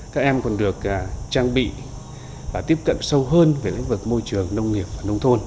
các em còn được trang bị và tiếp cận sâu hơn về lĩnh vực môi trường nông nghiệp và nông thôn